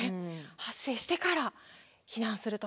発生してから避難すると。